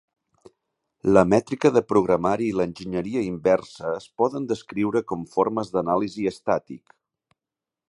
La mètrica de programari i l'enginyeria inversa es poden descriure com formes d'anàlisi estàtic.